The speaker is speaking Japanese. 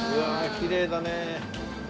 きれいだね。